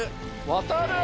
渡る？